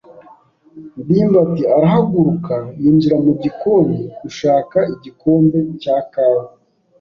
ndimbati arahaguruka yinjira mu gikoni gushaka igikombe cya kawa.